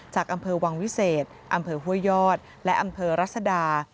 จากอำเภอวังวิเศษอำเภอห้วยยอดและอำเภอรัศดา